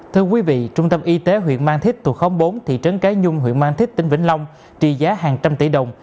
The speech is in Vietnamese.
thưa quý vị trung tâm y tế huyện mang thích tù khống bốn thị trấn cái nhung huyện mang thích tỉnh vĩnh long trị giá hàng trăm tỷ đồng